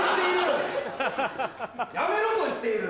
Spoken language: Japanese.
やめろと言っている！